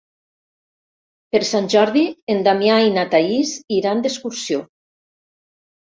Per Sant Jordi en Damià i na Thaís iran d'excursió.